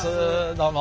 どうも。